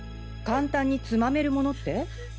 簡単につまめるものって？